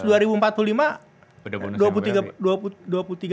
udah bonus yang berarti